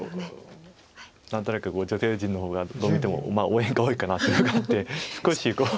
何となく女性陣の方がどう見ても応援が多いかなっていうのがあって少しこう。